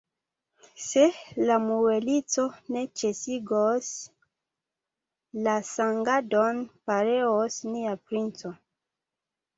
Se la muelisto ne ĉesigos la sangadon, pereos nia princo!